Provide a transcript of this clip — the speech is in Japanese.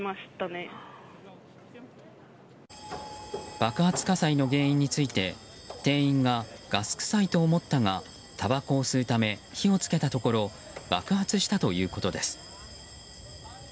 爆発火災の原因について店員がガス臭いと思ったがたばこを吸うため火を付けたところ爆発したということです。